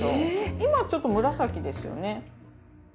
今ちょっと紫ですよね。